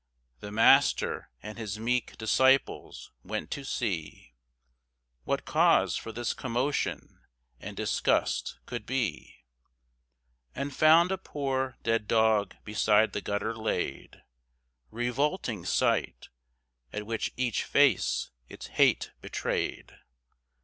The Master and his meek disciples went to see What cause for this commotion and disgust could be, And found a poor dead dog beside the gutter laid Revolting sight! at which each face its hate betrayed.